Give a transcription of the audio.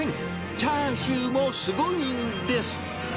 チャーシューもすごいんです。